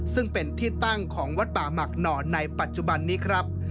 ซึ่งเป็นที่ตั้งของวัดป่าหมักหน่อในปัจจุบันนี้ครับ